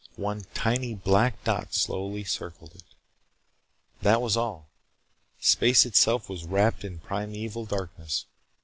One tiny black dot slowly circled it. That was all. Space itself was wrapped in primeval darkness.